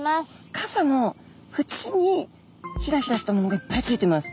傘のふちにひらひらしたものがいっぱいついてます。